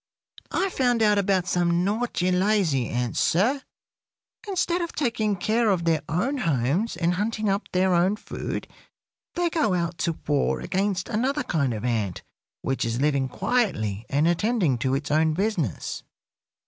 "I found out about some naughty, lazy ants, sir. Instead of taking care of their own homes and hunting up their own food, they go out to war against another kind of ant, which is living quietly and attending to its own business.